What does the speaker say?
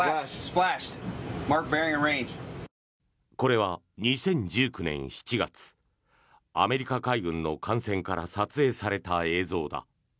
これは２０１９年７月アメリカ海軍の艦船から撮影された映像だ。